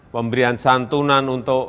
pemberian santunan untuk